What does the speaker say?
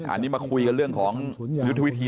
อันนี้มาคุยกันเรื่องของยุทธวิธี